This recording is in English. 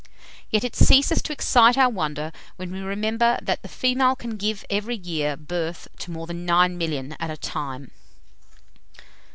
Yet it ceases to excite our wonder when we remember that the female can every year give birth to more than 9,000,000 at a time."